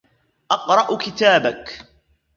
أقرأ كتابك.